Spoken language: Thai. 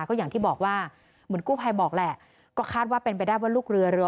ก็อย่างที่บอกว่าเหมือนกู้ภัยบอกแหละก็คาดว่าเป็นไปได้ว่าลูกเรือเรือ